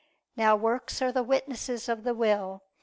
Now works are the witnesses of the will.